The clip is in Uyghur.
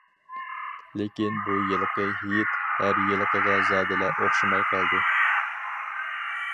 لېكىن بۇ يىلقى ھېيت ھەر يىلقىغا زادىلا ئوخشىماي قالدى.